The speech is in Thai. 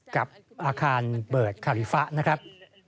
กับอาคารเบิร์ดคาริฟะนะครับ